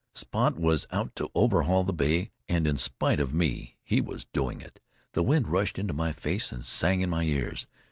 Spot was out to overhaul that bay, and in spite of me, he was doing it. The wind rushed into my face and sang in my ears.